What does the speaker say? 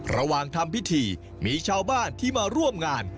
ระหว่างทำพิธีมีชาวบ้านที่มาร่วมงาน